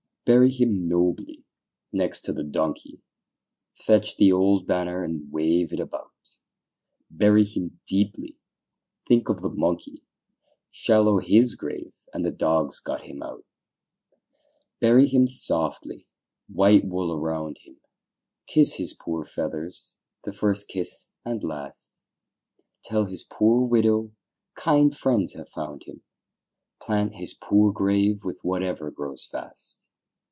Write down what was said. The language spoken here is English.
Bury him nobly next to the donkey; Fetch the old banner, and wave it about: Bury him deeply think of the monkey, Shallow his grave, and the dogs got him out. Bury him softly white wool around him, Kiss his poor feathers, the first kiss and last; Tell his poor widow kind friends have found him: Plant his poor grave with whatever grows fast.